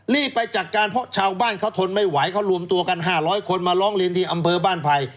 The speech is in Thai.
รีบไปจัดการเพราะชาวบ้านเขาทนไม่ไหวเขารวมตัวกัน๕๐๐คนมาร้องเรียนที่อำเภอบ้านไผ่